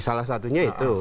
salah satunya itu